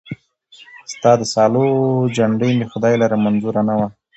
ستا د سالو جنډۍ مي خدای لره منظوره نه وه